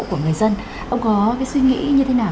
của người dân ông có cái suy nghĩ như thế nào